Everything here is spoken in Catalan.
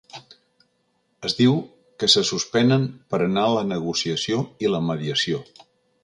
Es diu que se suspenen per anar a la negociació i la mediació.